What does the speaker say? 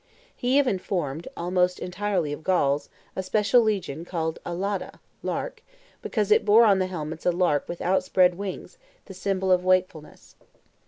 He even formed, almost entirely of Gauls, a special legion called Alauda (lark), because it bore on the helmets a lark with outspread wings, the symbol of wakefulness.